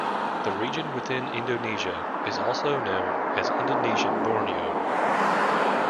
The region within Indonesia is also known as Indonesian Borneo.